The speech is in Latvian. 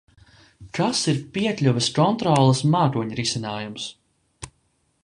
Kas ir piekļuves kontroles mākoņrisinājums?